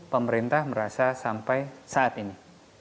pemerintah merasa sampai saat ini